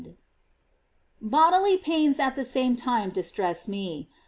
383 Bodily pains at the same time distress me.